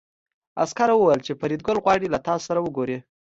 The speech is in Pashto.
عسکر وویل چې فریدګل غواړي له تاسو سره وګوري